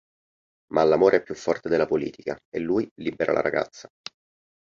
Ma l'amore è più forte della politica e lui libera la ragazza.